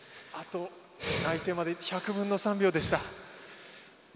内定まであと１００分の３秒でした。